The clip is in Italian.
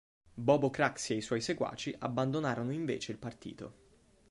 Bobo Craxi e i suoi seguaci abbandonano invece il partito.